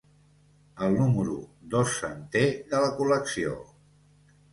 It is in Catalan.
El número dos-centè de la col·lecció.